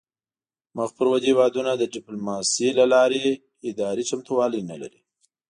مخ پر ودې هیوادونه د ډیپلوماسي لپاره اداري چمتووالی نلري